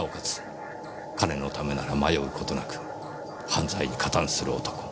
金のためなら迷う事なく犯罪に荷担する男。